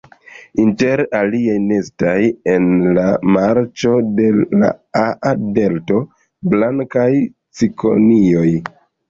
Inter aliaj nestas en la marĉo de la Aa-Delto blankaj cikonioj.